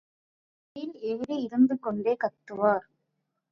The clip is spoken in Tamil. காரில் ஏறி இருந்து கொண்டே கத்துவார்.